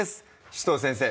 紫藤先生